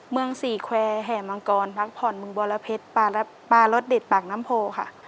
เมืองสี่แควร์แห่มังกรพักผ่อนเมืองบรเพชรปลารสเด็ดปากน้ำโพค่ะ